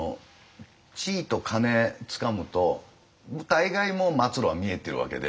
地位と金つかむと大概もう末路は見えてるわけで。